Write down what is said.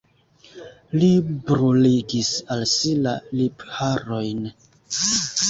Li bruligis al si la lipharojn.